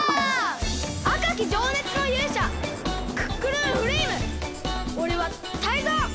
あかきじょうねつのゆうしゃクックルンフレイムおれはタイゾウ！